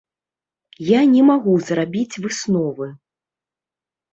Я не магу зрабіць высновы.